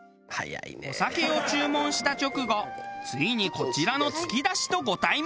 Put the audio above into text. お酒を注文した直後ついにこちらのつきだしとご対面。